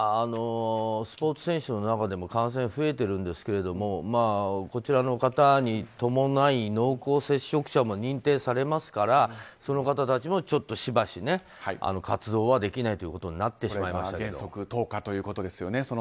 スポーツ選手の中でも感染増えてるんですけどこちらの方に伴い濃厚接触者も認定されますから、その方たちもちょっとしばし活動はできないということに原則１０日ということですよね。